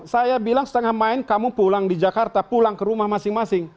saya bilang setengah main kamu pulang di jakarta pulang ke rumah masing masing